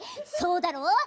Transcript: そうだろ？